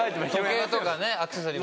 時計とかねアクセサリーも。